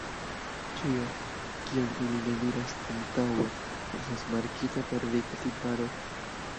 Ĉio, kion ili ne diris antaŭe, estas markita per dika tiparo.